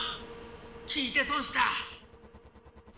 聞いてそんした！